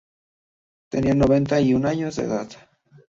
Tenía noventa y un años de edad.